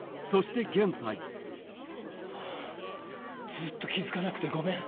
ずっと気付かなくてごめん。